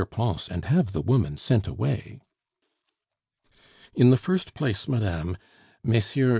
Pons and have the woman sent away." "In the first place, madame, Messrs.